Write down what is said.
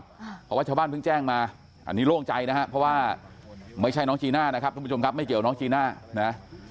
เพราะว่าชาวบ้านเพิ่งแจ้งมาอันนี้โล่งใจนะฮะเพราะว่าไม่ใช่น้องจีน่านะครับทุกผู้ชมครับไม่เกี่ยวน้องจีน่านะ